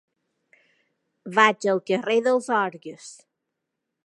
Vaig al carrer dels Orgues.